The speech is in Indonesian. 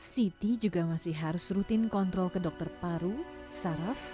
siti juga masih harus rutin kontrol ke dokter paru saraf